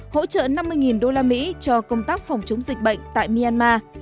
hỗ trợ năm mươi usd cho công tác phòng chống dịch bệnh tại myanmar